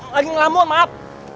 lagi ngelamun maaf